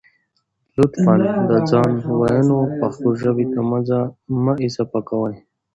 لطفاً د ځانه وييونه پښتو ژبې ته مه اضافه کوئ